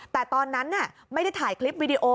แต่ตอนนั้นไม่ได้ถ่ายคลิปวิดีโอ